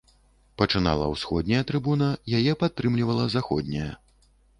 Пачынала ўсходняя трыбуна, яе падтрымлівала заходняя.